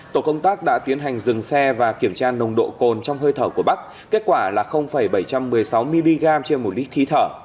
tổ công tác đã tiến hành dừng xe và kiểm tra nồng độ cồn trong hơi thở của bắc kết quả là bảy trăm một mươi sáu mg trên một lít thí thở